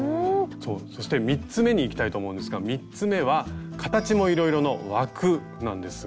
そして３つ目にいきたいと思うんですが３つ目は形もいろいろの「枠」なんですが。